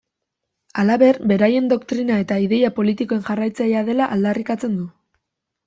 Halaber, beraien doktrina eta ideia politikoen jarraitzailea dela aldarrikatzen du.